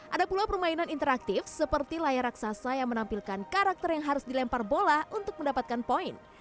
ada pula permainan interaktif seperti layar raksasa yang menampilkan karakter yang harus dilempar bola untuk mendapatkan poin